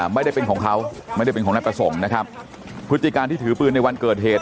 ไม่ได้เป็นของเขาไม่ได้เป็นของนายประสงค์นะครับพฤติการที่ถือปืนในวันเกิดเหตุ